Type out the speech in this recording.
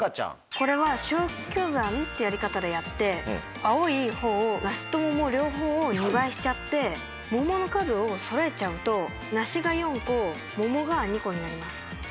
これは消去算ってやり方でやって青いほうを梨と桃両方を２倍しちゃって桃の数をそろえちゃうと梨が４個桃が２個になります。